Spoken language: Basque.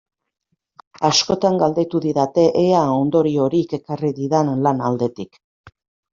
Askotan galdetu didate ea ondoriorik ekarri didan lan aldetik.